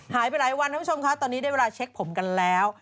หายไปหลายวันท่านผู้ชมค่ะตอนนี้ได้เวลาเช็คผมกันแล้ว